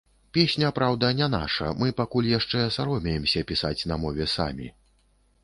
Песня, праўда, не наша, мы пакуль яшчэ саромеемся пісаць на мове самі.